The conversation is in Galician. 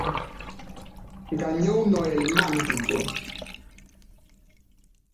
Gañou no Helmántico.